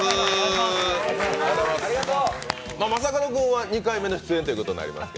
正門君は２回目の出演ということになりますが。